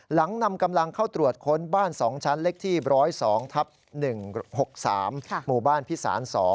หลังนำกำลังเข้าตรวจค้นบ้าน๒ชั้นเล็กที่๑๐๒ทับ๑๖๓หมู่บ้านพิสาร๒